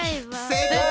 正解！